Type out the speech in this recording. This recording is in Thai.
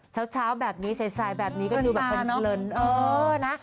เช้าแบบนี้สายแบบนี้ก็ดูแบบเพลินเออนะ